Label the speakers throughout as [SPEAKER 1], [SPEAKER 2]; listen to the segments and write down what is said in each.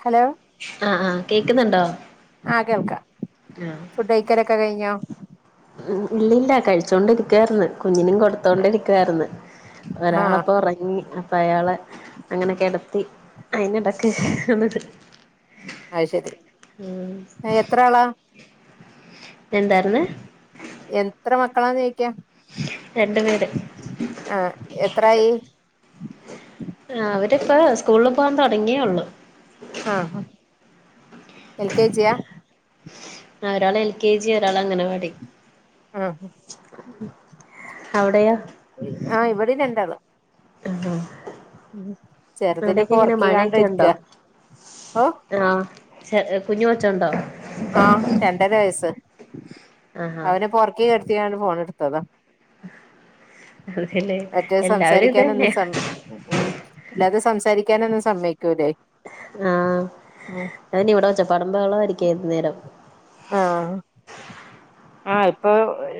[SPEAKER 1] Hello
[SPEAKER 2] ആഹ് ആഹ് കേക് ക്കുന്നുണ്ടോ? ആഹ്
[SPEAKER 1] ഫുഡ്ഡയ്ക്കലൊക്കെ കയിഞ്ഞോ?
[SPEAKER 2] ഇല്ലില്ല കഴിച്ചോണ്ടിരിക്കുവാര്ന്ന്. കുഞ്ഞിനും കൊടുത്തോണ്ടിരിക്കുവാര്ന്ന്.
[SPEAKER 1] ആഹ്
[SPEAKER 2] ഒരാളപ്പോ ഒറങ്ങി. ങ്ഹ് അയാളെ അങ്ങനെ കെടത്തി. അയിനെടക്ക്‌
[SPEAKER 1] അയ്ശരി ആഹ് എത്ര ആളാ?
[SPEAKER 2] എന്താരുന്ന്?
[SPEAKER 1] എത്ര മക്കളാന്ന് ചോയ്ക്ക
[SPEAKER 2] രണ്ട് പേര്
[SPEAKER 1] ആ എത്രായി?
[SPEAKER 2] ആ അവരിപ്പോ സ്കൂളില് പോകാൻ തുടങ്ങിയേ ഒള്ളു
[SPEAKER 1] ആഹ് എൽ കെ ജിയാ
[SPEAKER 2] ആ ഒരാള് എൽ കെ ജി. ഒരാള് അംഗനവാടി.
[SPEAKER 1] ആഹ്
[SPEAKER 2] അവടെയോ?
[SPEAKER 1] ആഹ് ഇവിടേം
[SPEAKER 2] [unintelligible]
[SPEAKER 1] ഉം. ചെറുതിനെ
[SPEAKER 2] അവിടെയൊക്കെ
[SPEAKER 1] ഇപ്പോ
[SPEAKER 2] എങ്ങനെ
[SPEAKER 1] ഒറക്കിക്കാണ്ട്
[SPEAKER 2] മഴയൊക്കെ
[SPEAKER 1] ഇരിക്ക.
[SPEAKER 2] ഉണ്ടോ
[SPEAKER 1] ഓ
[SPEAKER 2] ചെ കുഞ്ഞ്യേ കൊച്ച് ഒണ്ടോ?
[SPEAKER 1] ആഹ് രണ്ടര വയസ്സ്.
[SPEAKER 2] ആഹാ
[SPEAKER 1] അവനെപ്പോ ഒറക്കിക്കടുത്തിക്കാണ്ട് ഫോണ് എടുത്തതാ.
[SPEAKER 2] അതല്ലേ
[SPEAKER 1] മറ്റേ
[SPEAKER 2] എല്ലാവരും ഇത്
[SPEAKER 1] സംസാരിക്കാനൊന്നും
[SPEAKER 2] തന്നെയാ
[SPEAKER 1] സം ങ്ഹും അല്ലാതെ സംസാരിക്കാനൊന്നും സമ്മയിക്കൂല്ലേ
[SPEAKER 2] ആഹ് ഞാനിവിടെ വെച്ച പടമ്പകള പഠിക്കായിരുന്നരിക്കായിരന്നേരം
[SPEAKER 1] ആഹ് ആഹ് ഇപ്പോ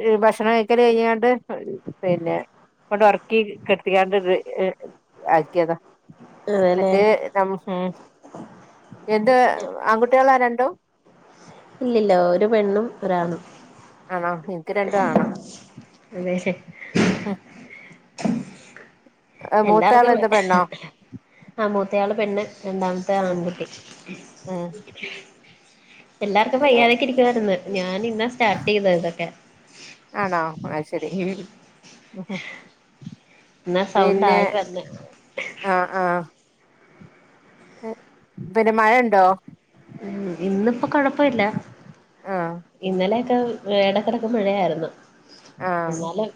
[SPEAKER 1] ഇഹ് ഭക്ഷണം കഴിക്കല് കഴിഞ്ഞാണ്ട് ആഹ് പിന്നെ ആഹ് വർക്ക് കിട്ടിയാണ്ട് ഇത് ഇഹ് ആയിക്കിയതാ
[SPEAKER 2] അതെല്ലേ
[SPEAKER 1] മറ്റേ [unintelligible] ഇത് ആൺകുട്ടികളാ രണ്ടും?
[SPEAKER 2] ഇല്ലില്ല ഒരു പെണ്ണും ഒരാണും
[SPEAKER 1] ആണോ എനിക്ക് രണ്ടും ആണാ
[SPEAKER 2] [unintelligible]
[SPEAKER 1] മൂത്താള്
[SPEAKER 2] എല്ലാർക്കും
[SPEAKER 1] എന്താ പെണ്ണോ
[SPEAKER 2] ആഹ് മൂത്തയാള് പെണ്ണ് രണ്ടാമത്തെയാൾ
[SPEAKER 1] ഉം
[SPEAKER 2] ആൺകുട്ടി.
[SPEAKER 1] ഉം
[SPEAKER 2] എല്ലാർക്കും
[SPEAKER 1] ഏ
[SPEAKER 2] വയ്യാതോക്കേ ഇരിക്കുവാർന്ന്. ഞാൻ ഇന്ന സ്റ്റാർട്ട് ചെയ്തത് ഇതൊക്കെ.
[SPEAKER 1] ആണോ ആയ്ശരി
[SPEAKER 2] ഉം
[SPEAKER 1] ങ്ഹും
[SPEAKER 2] എന്നാ സൗണ്ട്
[SPEAKER 1] പിന്നെ
[SPEAKER 2] ആയി വന്ന്
[SPEAKER 1] ആഹ് ആഹ് ങ്‌ഹ് ദ്ന് മഴണ്ടോ?
[SPEAKER 2] ഉം ഇന്നിപ്പോ കൊഴപ്പവില്ല
[SPEAKER 1] ആഹ്
[SPEAKER 2] ഇന്നലെയൊക്കെ ഏഹ് എടക്കെടക്ക് മഴയായിരുന്നു.
[SPEAKER 1] ആഹ്
[SPEAKER 2] എന്നാലും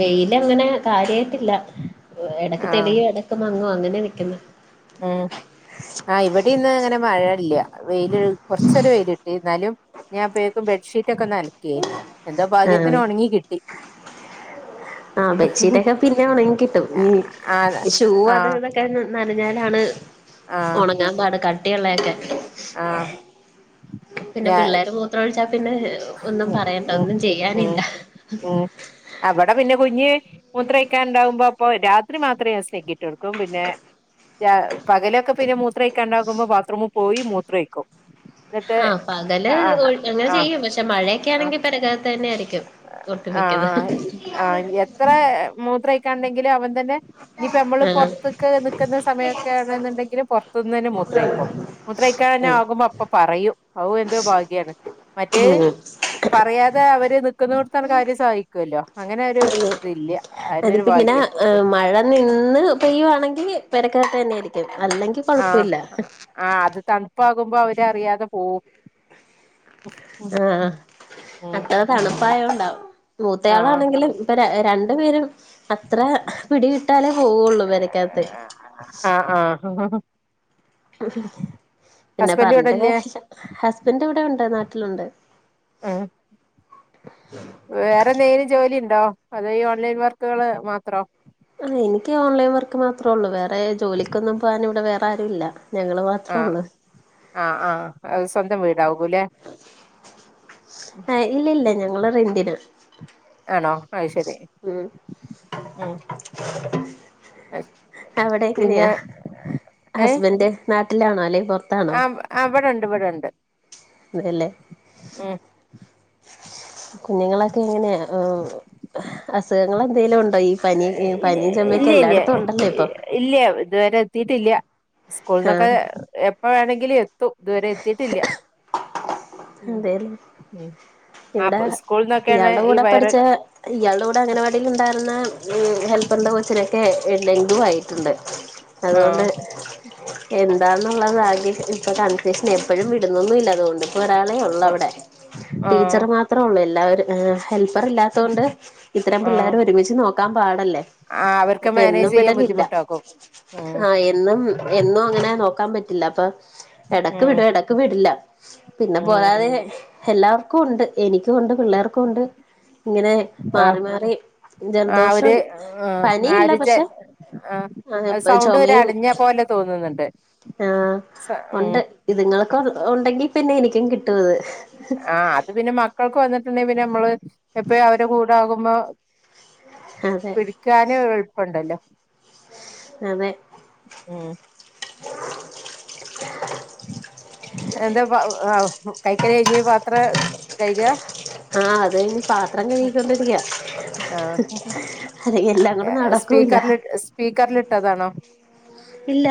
[SPEAKER 2] വെയിലങ്ങനെ കാര്യായിട്ടില്ല എടക്ക്
[SPEAKER 1] ആഹ്
[SPEAKER 2] തെളിയും എടക്ക് മങ്ങും അങ്ങനെ നിക്കുന്നു.
[SPEAKER 1] ഉം ആഹ് ഇവടേംന്ന് അങ്ങനെ മഴ ഇല്ല. വെയില് കുറച്ചൊര് വെയിലിട്ടിന്നാലും ഞാൻ അപ്പയേക്കും ബെഡ്ഷീറ്റ് ഒക്ക ഒന്നലക്കിയേ. എന്താ ഭാഗ്യത്തിന്
[SPEAKER 2] ആഹ്
[SPEAKER 1] ഒണങ്ങി കി ട്ടി
[SPEAKER 2] ആഹ് അതേ ബെഡ്ഷീറ്റ് ഒക്കെ പിന്നേം ഒണങ്ങി കിട്ടും.
[SPEAKER 1] ആ
[SPEAKER 2] ഉം. ഷൂ
[SPEAKER 1] ആ
[SPEAKER 2] അതും ഇതൊ ക്കെ നനഞ്ഞാലാണ് ഒണങ്ങാൻ പാട് കട്ടിയള്ളയൊക്കെ
[SPEAKER 1] ആഹ്
[SPEAKER 2] പിന്ന പിള്ളേര് മൂത്രം ഒഴിച്ചാ പിന്നെ ഒന്നും
[SPEAKER 1] ഉം
[SPEAKER 2] പറയണ്ട.
[SPEAKER 1] ഉം
[SPEAKER 2] ഒന്നും
[SPEAKER 1] ഉം
[SPEAKER 2] ചെയ്യാനില്ല.
[SPEAKER 1] ഉം അവിടെ പിന്നെ കുഞ്ഞ് മുൂത്രയ്ക്കാൻ ഉണ്ടാകുമ്പോ അപ്പൊ രാത്രി മാത്രമേ ഞാൻ സ്നാഗ്ഗി ട്ടോടുക്കും പിന്നെ പകലൊക്കെ പിന്നെ മൂത്രക്ക ഉണ്ടകുമ്പോ ബാത്റൂമിൽ പോയി മൂത്രക്കും
[SPEAKER 2] ആഹ പകല് അങ്ങനെ
[SPEAKER 1] ആ
[SPEAKER 2] ചെയ്യും പക്ഷെ പക്ഷെ
[SPEAKER 1] ആ
[SPEAKER 2] മഴയൊക്കെണെങ്കി പേരക്കകത്ത് തന്നെയ ആയിരിക്കും വെക്കത്
[SPEAKER 1] ഇത്ര മൂത്രമായിക്കാ ഉണ്ടെങ്കിലും അവൻ തന്നെ ഇനിപ്പ നമ്മള്
[SPEAKER 2] ആഹ്
[SPEAKER 1] പുറത്തൊക്കെ നിക്കുന്ന സമയമൊക്കെ ആണെന്നുണ്ടെങ്കിൽ പുറത്തുന്ന് തന്നെ മൂത്രേക്കും മുത്രക്കാൻ തന്നെ
[SPEAKER 2] ആഹ്
[SPEAKER 1] ആകുമ്പോ അപ്പ പറയും അത് എന്തോ ഭാഗ്യാണ് മ
[SPEAKER 2] ഉം
[SPEAKER 1] പറയാതെ അവര് നിക്കുന്ന ന്നോ ടുത്താണ് കാര്യം സാധി ക്കുമല്ലോ അങ്ങനെ ഒരു ഇല്ല അതിനൊരു
[SPEAKER 2] അതിപ്പോ ഇങ്ങനെ
[SPEAKER 1] ഭാഗ്യം
[SPEAKER 2] മഴ നിന്ന് പെയ്യുവാണെങ്കിൽ പെരക്കക ത്ത് തന്നാ യിയിരിക്കും അല്ലെങ്കിൽ
[SPEAKER 1] ആഹ ആ് അത് തണുപ്പാകുമ്പോ അവരറിയാതെ പോവും ഉം
[SPEAKER 2] ആഹ അത്ര
[SPEAKER 1] ഉം
[SPEAKER 2] തണുപ്പായോണ്ട
[SPEAKER 1] ആഹ്
[SPEAKER 2] മൂത്തയാളാണെങ്കിലും ഇപ്പ രണ്ടു പേരും അത്ര പിടിവി ട്ടാലേ പോവുള്ളു പെര രക്കകത്ത്
[SPEAKER 1] ആഹ ആഹ
[SPEAKER 2] പിന്നെ
[SPEAKER 1] ഹസ്ബൻഡ്
[SPEAKER 2] പറഞ്ഞിട്ട്
[SPEAKER 1] ഇവിടില്ലേ
[SPEAKER 2] കാര്യല്ല ഹസ്ബന്റ് ഇവിടെയു ണ്ട് നാട്ടിലുണ്ട്
[SPEAKER 1] ആഹ വേറെ എന്തെ ങ്കിലും ജോലി ഉണ്ടോ അതെ ഈ ഓൺലൈൻ വർക്കുകള് മാത്രോ
[SPEAKER 2] ആ എനിക്ക് ഓൺലൈൻ വർക്ക് മാത്രേള്ളൂ വേറെ ജോലിക്കൊന്നും പോവാൻ ഇവിടെ വേറെ ആരും ഇല്ല ഞങൾ മ
[SPEAKER 1] ആ് ആ ആ അ സ്വന്തം വീടാകൂവ ല്ലേ
[SPEAKER 2] ആ് ഇല്ല ഇല്ല ഞങ്ങള് റെന്റിന
[SPEAKER 1] ആണോ അ ശരി
[SPEAKER 2] ഉം
[SPEAKER 1] മം
[SPEAKER 2] അവിടെങ്ങനെയാ ഹസ്ബന്റ് നാട്ടിലാണോല്ലേ പുറ
[SPEAKER 1] ആ ആ ഇവിടെണ്ട് ഇവിടെണ്ട്.
[SPEAKER 2] ഇവിടെല്ലേ.
[SPEAKER 1] ഉം
[SPEAKER 2] കുഞ്ഞുങ്ങളൊക്കെ എങ്ങനെയ ഹ് അസുഖങ്ങള് എന്തേ ലും ഉ
[SPEAKER 1] ഇല്ല്യ ഇല്ല്യ
[SPEAKER 2] ഉണ്ടല്ലോ ഇപ്പൊ
[SPEAKER 1] ഇല്ല്യ ഇതുവരെ എത്തിട്ടില്ല്യ. സ്കൂളു ന്നൊക്കെ
[SPEAKER 2] ആഹ്
[SPEAKER 1] എപ്പ വേണെങ്കിലും എത്തും ഇതുവരെ എത്തിട്ടില്ല.
[SPEAKER 2] അതേലേ ഇവിടെ
[SPEAKER 1] ആഹ് സ്കൂൾന്നൊക്കെയാണ്
[SPEAKER 2] ഇയാളുടെ
[SPEAKER 1] ഈ
[SPEAKER 2] കൂടെ
[SPEAKER 1] വൈറൽ
[SPEAKER 2] പഠിച്ച ഇയാളുടെ കൂടെ അംഗനവാടിയിൽ ഉണ്ടായിരുന്ന ഹെൽപ്പറിന്റെ കോച്ചിനെ ക്കെ ഡെങ്കുവായിട്ടുണ്ട് അതുകൊണ്ട്
[SPEAKER 1] ആഹ്
[SPEAKER 2] എന്താന്നു ള്ളത് ആകെ ഇപ്പൊ കൺഫ്യുഷനാ എപ്പോഴും വിടുന്നൊന്നുംല്ല. ഒരാളേ ഉള്ളൂ
[SPEAKER 1] ആഹ്
[SPEAKER 2] അവിടെ
[SPEAKER 1] ആഹ്
[SPEAKER 2] ടീച്ചർ മാത്രമേ ഉള്ളൂ എല്ലാവരും ഹെൽപ്പർ ഇല്ലാത്തത് കൊണ്ട് ഇത്രേം പിള്ളേരെ ഒരുമിച്ച് നോ ക്കാൻ പാടല്ലേ
[SPEAKER 1] ആഹ് അവർക്ക്
[SPEAKER 2] അപ്പ എന്നും
[SPEAKER 1] മാനേജ് ചെയ്യാൻ
[SPEAKER 2] വിടലില്ല
[SPEAKER 1] ബുദ്ധിമുട്ടാക്കും ഉം
[SPEAKER 2] ആ എന്നും എന്നും അങ്ങനെ നോക്കാൻ പറ്റില്ല അപ്പൊ എടക്ക്
[SPEAKER 1] ഉം
[SPEAKER 2] വിടും എടക്ക് വിടില്ല. പിന്നെ
[SPEAKER 1] ഉം
[SPEAKER 2] പോരാതെ എല്ലാവർക്കും ഉണ്ട് എനിക്കുംണ്ട് പിള്ളേർക്കുംണ്ട്. ഇങ്ങനെ
[SPEAKER 1] ആഹ്
[SPEAKER 2] മാറി മാറി
[SPEAKER 1] ആ ഒരു
[SPEAKER 2] ജലദോഷം
[SPEAKER 1] ആഹ്
[SPEAKER 2] പനിയല്ല
[SPEAKER 1] ഒരു ചെ
[SPEAKER 2] പക്ഷെ
[SPEAKER 1] ആ അത് സൗണ്ട് ഒരു
[SPEAKER 2] ചുമയും
[SPEAKER 1] അടഞ്ഞ പോലെ തോന്നുന്നുണ്ട്.
[SPEAKER 2] ആഹ്
[SPEAKER 1] സ ഉം
[SPEAKER 2] ഉണ്ട് ഇതുങ്ങൾക്ക്‌ ഉണ്ടെങ്കി പിന്നെ എനിക്കും കിട്ടും അത്.
[SPEAKER 1] ആ അത് പിന്നെ മക്കൾക്ക് വന്നിട്ടുണ്ടെങ്കിൽ പിന്നെ നമ്മള് എപ്പഴും അവരെ കൂടാകുമ്പോ
[SPEAKER 2] അതെ.
[SPEAKER 1] ക്കാനും എളുപ്പണ്ടല്ലോ.
[SPEAKER 2] അതെ
[SPEAKER 1] ഉം എന്താപ്പം കൈക്കല് കഴിഞ്ഞ് പാത്ര കഴ്കാ
[SPEAKER 2] ആ അത് കഴിഞ്ഞ് പാത്രം കഴുകിക്കൊണ്ടിരിക്ക.
[SPEAKER 1] ആഹ്
[SPEAKER 2] അല്ലെങ്കി എല്ലാം കൂടെ നടക്കൂല്ല.
[SPEAKER 1] സ്പീക്കറിൽ സ്പീക്കറിലിട്ടതാണോ
[SPEAKER 2] ഇല്ല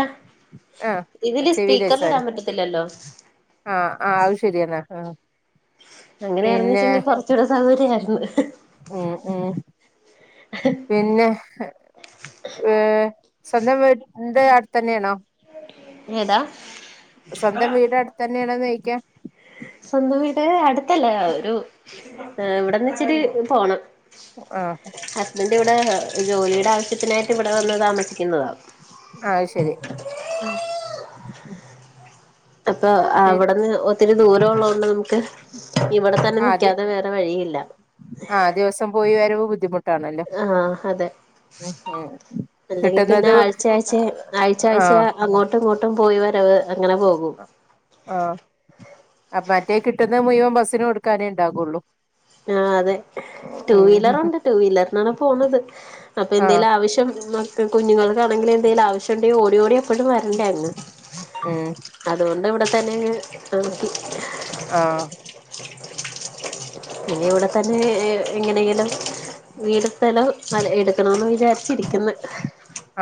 [SPEAKER 1] ആഹ്
[SPEAKER 2] ഇതില്
[SPEAKER 1] ചെവിയിൽ
[SPEAKER 2] സ്പീക്കറിൽ
[SPEAKER 1] വെച്ചാ
[SPEAKER 2] ഇടാൻ
[SPEAKER 1] മതി.
[SPEAKER 2] പറ്റത്തില്ലല്ലോ.
[SPEAKER 1] ആഹ് ആ അത് ശരിയന്നാ ആ
[SPEAKER 2] അങ്ങനെയാണ്ച്ചെങ്കി കൊറച്ചുകൂടെ സൗകര്യയായിരുന്നു.
[SPEAKER 1] ഹ്ഹ് പിന്നെ ഏ സ്വന്തം വീട് അടുത്തന്നെയാണോ.
[SPEAKER 2] ഏതാ
[SPEAKER 1] സ്വന്തം വീട് അടുത്ത്ന്നെയണോന്ന് യിക്കാ
[SPEAKER 2] സ്വന്തം വീട് അടുത്തല്ല ഒരു ഇവിടന്ന് ഇച്ചിരി പോണം.
[SPEAKER 1] ആഹ്
[SPEAKER 2] ഹസ്ബന്റ് ഇവിടെ ജോലിയുടെ ആവശ്യത്തിനായിട്ട് ഇവിടെ വന്ന് താമസിക്കുന്നതാ.
[SPEAKER 1] ആഹ് ശരി
[SPEAKER 2] അപ്പൊ അവിടുന്ന് ഒത്തിരി ദൂരംള്ളതോണ്ട് നമുക്ക് ഇവിടെ തന്നെ നിക്കാതെ വേറെ വഴിയില്ല.
[SPEAKER 1] ആ ദിവസം പോയി വരവ് ബുദ്ധിമു
[SPEAKER 2] ആ അതെ
[SPEAKER 1] ഉം
[SPEAKER 2] അല്ലെങ്കിൽ പിന്നെ
[SPEAKER 1] കിട്ടുന്നത്
[SPEAKER 2] ആഴ്ച്ചയാഴ്ച്ച ആഴ്ച്ച ആഴ്ച്ച
[SPEAKER 1] ആഹ്
[SPEAKER 2] അങ്ങോട്ടും ഇങ്ങോട്ടും പോയി വരവ് അങ്ങനെ പോകും.
[SPEAKER 1] ആ അ മറ്റേ കിട്ടുന്ന മുയുവൻ ബസ്സിനു കൊടുക്കാനേ ഉണ്ടാവുള്ളൂ.
[SPEAKER 2] ആ അതെ ടു വീലറുണ്ട് ടു വീലറിനാണ് പോവുന്നത്. അപ്പൊ
[SPEAKER 1] ആഹ്
[SPEAKER 2] എന്തേലും ആവശ്യം നി ങ്ൾക്കും കുഞ്ഞുങ്ങൾക്കാണെങ്കിലും എന്തേങ്കലും ആവശ്യണ്ടെങ്കി ഓടി ഓടി എപ്പഴും വരണ്ടേ അങ്ങ്
[SPEAKER 1] ഉം
[SPEAKER 2] അതുകൊണ്ട് ഇവിടെത്തന്നെ അങ്ങ് നിർത്തി
[SPEAKER 1] അ ആ
[SPEAKER 2] ഇനി ഇവിടെ തന്നെ എങ്ങനെങ്കിലും വീടും സ്ഥലം എടുക്കണന്ന് വിചാരി ച്ചിരിക്കുന്ന്.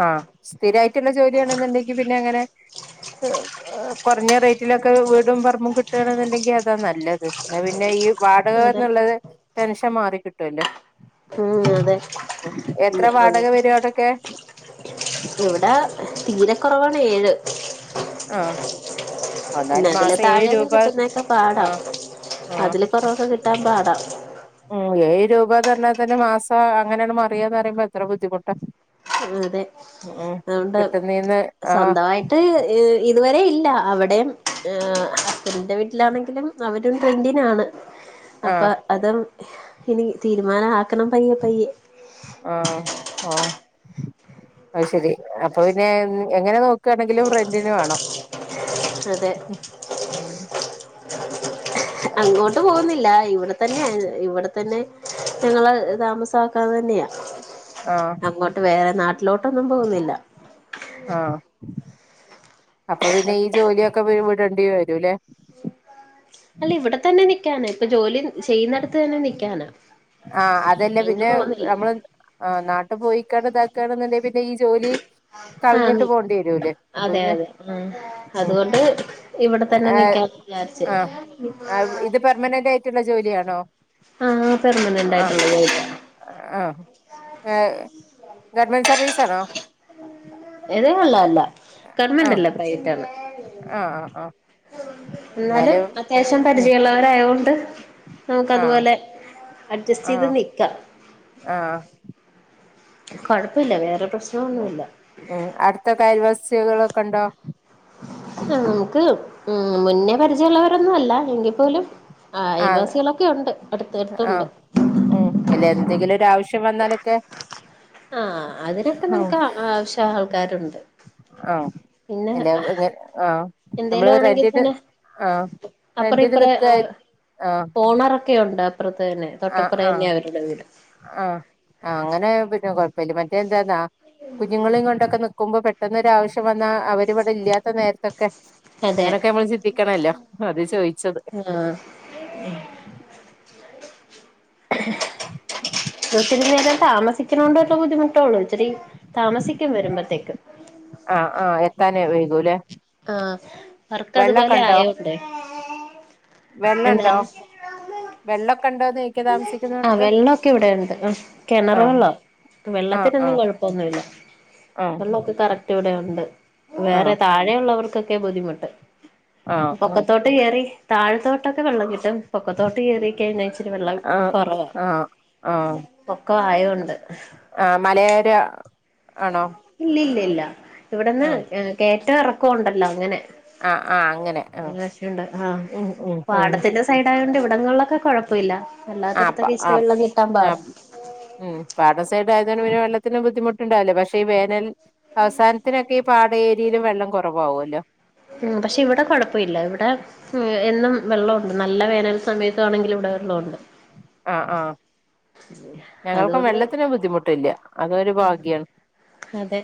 [SPEAKER 1] ആഹ സ്ഥിരായിട്ടുള്ള ജോലിയാണെന്നുണ്ടെങ്കിൽ പിന്നെ അങ്ങനെ കുറഞ്ഞ റേറ്റിലൊക്കെ വീടും പറമ്പും കിട്ടുകണെന്നുണ്ടെങ്കിൽ അതാ നല്ലത് എന്നാ പിന്നെ ഈ വാടക
[SPEAKER 2] അതെ
[SPEAKER 1] എന്നുള്ളത് ടെൻഷൻ മാറി കിട്ടുവല്ലോ.
[SPEAKER 2] ഉ അതെ
[SPEAKER 1] എത്ര
[SPEAKER 2] അതെ
[SPEAKER 1] വാടക വരും അവിടൊക്കെ
[SPEAKER 2] ഇവിടെ തീരെ കുറവാണ് ഏഴ്
[SPEAKER 1] ആഹ്
[SPEAKER 2] പിന്നെ
[SPEAKER 1] എന്നാല്
[SPEAKER 2] അതില്
[SPEAKER 1] മാസം ഏഴ്
[SPEAKER 2] താഴെയൊക്കെ
[SPEAKER 1] രൂപ
[SPEAKER 2] കിട്ടുന്നൊക്കെ പാടാ
[SPEAKER 1] ആഹ്
[SPEAKER 2] അതില് കുറൊക്കെ കിട്ടാൻ പാടാ
[SPEAKER 1] ഉ ഏഴ് രൂപ തന്നെ തന്നെ മാസ അങ്ങനെയാണ് മറിയാന്ന് പറയുമ്പോ എത്ര ബുദ്ധിമുട്ടാ?
[SPEAKER 2] ആ അതെ
[SPEAKER 1] ഉം
[SPEAKER 2] അതുകൊണ്ട്
[SPEAKER 1] കിട്ടുന്നീന്ന് ആഹ്
[SPEAKER 2] സ്വന്തമായി മട്ട് ഇതുവരെ ഇല്ല അവിടെയും ഹസ്ബന്റിന്റെ വീട്ടിലാണെങ്കിലും അവരും റെൻറ്റിനാണ് അപ്പൊ
[SPEAKER 1] ആഹ്
[SPEAKER 2] അതും ഇനി തീരുമാനം ആക്കണം പയ്യെ പയ്യെ
[SPEAKER 1] ആ അത് ശരി അപ്പൊ പിന്നെ എങ്ങനെ നോ ആണെങ്കിലും റെന്റിന് വേണം
[SPEAKER 2] അതെ
[SPEAKER 1] ഉം
[SPEAKER 2] അങ്ങോട്ട് പോകുന്നില്ല ഇവിടെ തന്നെ ഇവിടെ തന്നെ ഞങ്ങള് താമസമാക്കാൻ തന്നെയാ
[SPEAKER 1] ആഹ്
[SPEAKER 2] അങ്ങോട്ട് വേറെ നാട്ടിലോട്ടൊന്നും പോകുന്നില്ല.
[SPEAKER 1] ആഹ അപ്പൊ പിന്നെ ഈ ജോലിയൊ ഒക്കെ വിടേണ്ടി വരും അല്ലേ?
[SPEAKER 2] അല്ല ഇവിടെ തന്നെ നിക്കാന ഇപ്പൊ ജോലി ചെയ്യുന്നടുത്ത് തന്നെ നിക്കാനാ
[SPEAKER 1] ആഹ അതല്ലേ
[SPEAKER 2] അങ്ങ്
[SPEAKER 1] പിന്നെ
[SPEAKER 2] പോകുന്നില്ല
[SPEAKER 1] നമ്മള് ആ നാട്ടു പോയിക്കാണ്ട് ഇതാക്കണെന്നുണ്ടെ പിന്നെ ഈ ജോലി
[SPEAKER 2] ആ
[SPEAKER 1] കളഞ്ഞിട്ട് പോണ്ടി വരൂലേ അപ്പൊ
[SPEAKER 2] അതെ
[SPEAKER 1] പിന്നെ
[SPEAKER 2] അതെ ഉ
[SPEAKER 1] ഉം
[SPEAKER 2] അതുകൊണ്ട് ഇവിടെ തന്നെ
[SPEAKER 1] ഏഹ്
[SPEAKER 2] നിക്കാൻ വിചാരിച്ചേ
[SPEAKER 1] ആഹ് ഇത് പെർമനന്റ് ആയിട്ടുള്ള ജോലിയാണോ?
[SPEAKER 2] ആഹ പെർമനന്റ് ആയിട്ടുള്ള ജോലിയാ.
[SPEAKER 1] ആ ഏ ഗവൺമെൻറ് സർവീസാണോ
[SPEAKER 2] ഏയ് അല്ല അല്ല ഗവൺമെന്റ്
[SPEAKER 1] ആഹ്
[SPEAKER 2] അല്ല പ്രൈവറ്റ് ആണ്.
[SPEAKER 1] ആഹ് ആഹ് ആഹ്
[SPEAKER 2] എന്നാലും അത്യാവശ്യം
[SPEAKER 1] ഉം
[SPEAKER 2] പരിചയമുള്ളവരായുകൊണ്ട് നമുക്ക്
[SPEAKER 1] ആഹ്
[SPEAKER 2] അതുപോലെ അഡ്ജസ്റ്റ് ചെയ്ത്
[SPEAKER 1] ആഹ്
[SPEAKER 2] നിൽക്കാ
[SPEAKER 1] ആഹ്
[SPEAKER 2] കുഴപ്പമില്ല വേറെ പ്രശ്നമൊന്നുമില്ല.
[SPEAKER 1] ഉം അടുത്ത് അയൽവാസികളൊക്ക ഉണ്ടോ?
[SPEAKER 2] ആ നമുക്ക് ഉ മുന്നേ പരിചയമുള്ളവരൊന്നും അല്ല എങ്കി പോലും ആ അയൽവാസികളൊക്കെ ഉണ്ട് അടുത്ത് അടുത്ത് ഉണ്ട്.
[SPEAKER 1] ഏ ഇല്ല എന്തെങ്കിലും ഒരു ആവശ്യം വന്നാലൊക്കെ
[SPEAKER 2] ആഹ അതിനൊക്കെ
[SPEAKER 1] ഉം
[SPEAKER 2] നമുക്ക് ആവശ്യം ആൾക്കാരുണ്ട്.
[SPEAKER 1] ആഹ്
[SPEAKER 2] പിന്നെ
[SPEAKER 1] അല്ല ആഹ്
[SPEAKER 2] എന്തേലും
[SPEAKER 1] നമ്മള്
[SPEAKER 2] ആണെങ്കിൽ
[SPEAKER 1] റെന്റിന്
[SPEAKER 2] തന്നെ
[SPEAKER 1] ആഹ്
[SPEAKER 2] അപ്പറം
[SPEAKER 1] റെന്റിന്
[SPEAKER 2] ഇപ്പറം
[SPEAKER 1] നിക്ക ആഹ്
[SPEAKER 2] പോണ രൊക്കെണ്ട് അപ്പറത്തന്നെ.
[SPEAKER 1] ആഹ് ആഹ്ആഹ് അങ്ങനെ പിന്നെ കൊഴപ്പില്ല മറ്റേ എന്താെന്നാ കുഞ്ഞുങ്ങളെയും കൊണ്ടൊക്കെ നിക്കുമ്പോൾ പെട്ടെന്ന് ഒരാവശ്യം വന്നാൽ അവരിവിടെ ഇല്ലാത്ത നേരത്തെൊ.. ക്കെ
[SPEAKER 2] അതെ
[SPEAKER 1] അങ്ങനെയൊക്കെ നമ്മൾ ചിന്തിക്കണല്ലോ അത് ചോദിച്ചത്.
[SPEAKER 2] ആഹ്
[SPEAKER 1] ഉം. ഉ
[SPEAKER 2] ഒത്തിരി നേരം താമസിക്കുന്നോണ്ടുള്ള ബുദ്ധിമുട്ടള്ളു. ഒത്തിരി താമസിക്കും വരുമ്പോഴത്തേക്കും.
[SPEAKER 1] ആഹ ആഹ് എത്താനേ വൈകൂല്ലേ?
[SPEAKER 2] ആഹ വർക്ക് അതുപോലെ ആയോണ്ടേ.
[SPEAKER 1] വെള്ളണ്ടോ,
[SPEAKER 2] എന്താണ്
[SPEAKER 1] വെള്ളൊക്കെണ്ടോന്ന്?
[SPEAKER 2] ആഹ് വെള്ളൊക്കെ ഇവിടെയുണ്ട്. ഹ്മ്മ് കെണറ്
[SPEAKER 1] ആഹ്
[SPEAKER 2] വെള്ളവാ
[SPEAKER 1] ആഹ്
[SPEAKER 2] വെള്ളത്തിനൊന്നും
[SPEAKER 1] ആഹ്
[SPEAKER 2] കൊഴപ്പൊന്നുമില്ല. വെള്ളൊക്കെ കറക് [unintelligible] ഇവിടെയുണ്ട് വേറെ
[SPEAKER 1] ആഹ്
[SPEAKER 2] താഴെ ഉള്ളവർക്കൊക്കെ ബുദ്ധിമുട്ട്
[SPEAKER 1] ആഹ്. ആഹ്
[SPEAKER 2] പൊക്കത്തോട്ട് കേറി, താഴത്തോട്ടൊക്കെ വെള്ളം കിട്ടും. പൊക്കത്തോട്ട് കറിയൊക്കെഴിഞ്ഞാൽ ഇച്ചിരി വെള്ളം
[SPEAKER 1] ആഹ്
[SPEAKER 2] കൊറവാ,
[SPEAKER 1] ആഹ് ആഹ്
[SPEAKER 2] പൊക്കൊ ആയോണ്ട്
[SPEAKER 1] ആഹ് മലയട ആണോ
[SPEAKER 2] ഇല്ലില്ലല്ല ഇല്ല ഇവിടുന്ന്
[SPEAKER 1] ആഹ്
[SPEAKER 2] ഏഹ് കേറ്റവും എറക്കവും ഉണ്ടല്ലോ, അങ്ങനെ
[SPEAKER 1] ആഹ് ആഹ് അങ്ങനെ ആഹ്
[SPEAKER 2] [unintelligible] ആഹ്,
[SPEAKER 1] ഉം ഉം ഉം
[SPEAKER 2] പാടത്തിന്റെ സൈടായോണ്ട് ഇവടങ്ങളിലൊക്കെ കൊഴപ്പമില്ല കൊഴപ്പമില്ല,
[SPEAKER 1] ആഹ്
[SPEAKER 2] അല്ലാത്തൊട്ത്തൊക്കെ ഇസ്റ്റ് വെള്ളംകിട്ടാൻ പാടാ
[SPEAKER 1] ഹ്മ്മ്, പാതസൈഡായതോണ്ട് പിന്നെ വെള്ളത്തിന്റെ ബുദ്ധിമുട്ട്ണ്ടാവില്ല. പക്ഷെ ഈ വേനൽ അവസാനത്തിനൊക്കെ ഈ പാതേരിയയിലും വെള്ളം കൊറവാവൊല്ലോ
[SPEAKER 2] ആഹ് പക്ഷെ ഇവിടെ കൊഴപ്പോയില്ല ഇവിടെ ഏഹ് എന്നും വെള്ളൊണ്ട്, നല്ല വേനൽ സമയത്താണെങ്കിലും ഇവിടെ വെള്ളൊണ്ട്.
[SPEAKER 1] ആഹ് ആഹ്, ഞങ്ങൾക്കും
[SPEAKER 2] അതുകൊണ്ട്
[SPEAKER 1] വെള്ളത്തിന് ബുദ്ധിമുട്ടില്ല, അതൊരു ഭാഗ്യാണ്.
[SPEAKER 2] അതെ,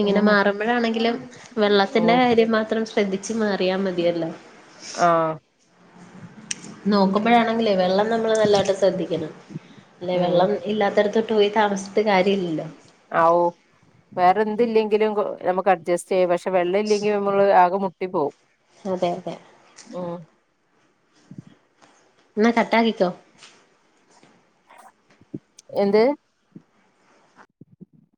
[SPEAKER 2] ഇങ്ങനെ
[SPEAKER 1] ഉം
[SPEAKER 2] മാറുമ്പഴാണെങ്കില് വെള്ളത്തിന്റെ
[SPEAKER 1] ഉം
[SPEAKER 2] കാര്യമാത്രം ശ്ര ശ്രദ്ധിച്ച് മാറിയാ മതിയല്ലോ
[SPEAKER 1] ആഹ്
[SPEAKER 2] നോക്കുമ്പഴാണെങ്കിലേ വെള്ളം നമ്മള് വെല്ലാതെ ശ്രദ്ധിക്കണം. അല്ലെ
[SPEAKER 1] ഉം
[SPEAKER 2] വെള്ളം ഇല്ലാത്തോട്ത്ത്ട്ട് പോയി താമസിച്ചിട്ട് കാര്യമില്ലല്ലോ
[SPEAKER 1] അവു വേറെ എന്തില്ലെങ്കിലും നമ്മക്കഡ്ജസ്റ്റെയ്യാ പക്ഷെ വെള്ളല്ലെങ്കില് നമ്മള് ആകെ മുട്ടി പോവും.
[SPEAKER 2] അതെ അതെ.
[SPEAKER 1] ആഹ്
[SPEAKER 2] ന്നാ കട്ടാകിക്ക്യോ
[SPEAKER 1] എന്ത്?